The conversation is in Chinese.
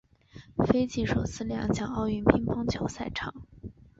斐济首次亮相奥运乒乓球赛场。